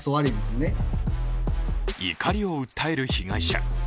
怒りを訴える被害者。